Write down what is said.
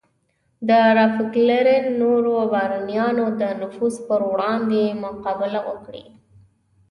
د راکفیلر او نورو بارونیانو د نفوذ پر وړاندې مقابله وکړي.